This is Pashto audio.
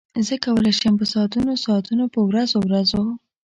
زه کولای شم په ساعتونو ساعتونو په ورځو ورځو.